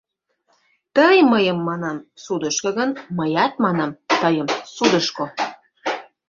Тый мыйым, манам, судышко гын, мыят, манам, тыйым — судышко...